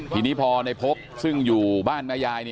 ทีนี้พอในพบซึ่งอยู่บ้านแม่ยาย